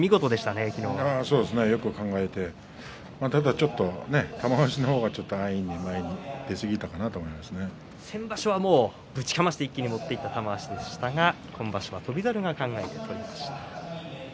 よく考えてただちょっと玉鷲の方が安易に前に出すぎたかな先場所は、ぶちかまして一気に持っていった玉鷲でしたが今場所は翔猿が考えて取りました。